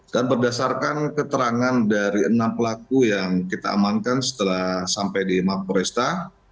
dan berdasarkan keterangan dari enam pelaku yang kita amankan setelah sampai di mapo resta